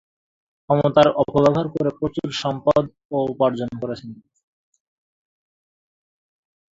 ক্ষমতার অপব্যবহার করে প্রচুর সম্পদ-ও উপার্জন করেছেন।